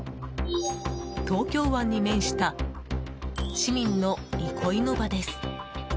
東京湾に面した市民の憩いの場です。